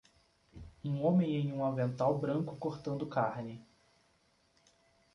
Um homem em um avental branco cortando carne.